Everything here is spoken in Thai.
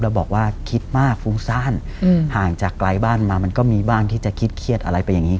บอกว่าคิดมากฟุ้งซ่านห่างจากไกลบ้านมามันก็มีบ้างที่จะคิดเครียดอะไรไปอย่างนี้